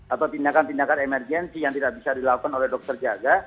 atau tindakan tindakan emergensi yang tidak bisa dilakukan oleh dokter jaga